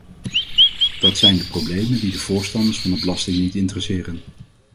Dat zijn de problemen die de voorstanders van de belasting niet interesseren.